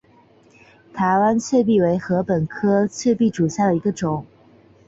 台湾雀稗为禾本科雀稗属下的一个种。